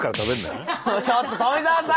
ちょっと富澤さん！